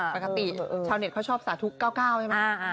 ปกติชาวเน็ตเขาชอบสาธุ๙๙ใช่ไหม